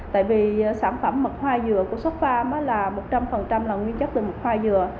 tại vì sản phẩm mật hoa dừa của sotfarm là một trăm linh nguyên chất từ mật hoa dừa